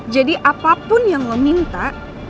jadi apapun yang lo minta